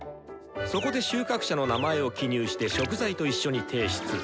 そこで収穫者の名前を記入して食材と一緒に提出。